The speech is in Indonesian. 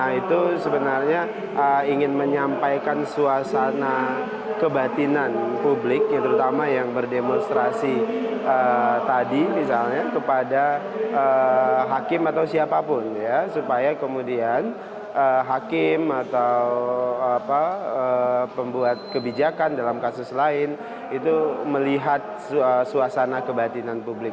nah itu sebenarnya ingin menyampaikan suasana kebatinan publik yang terutama yang berdemonstrasi tadi misalnya kepada hakim atau siapapun ya supaya kemudian hakim atau pembuat kebijakan dalam kasus lain itu melihat suasana kebatinan publik